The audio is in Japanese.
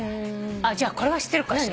じゃあこれは知ってるかしら。